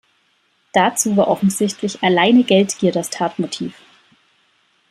Dazu war offensichtlich alleine Geldgier das Tatmotiv.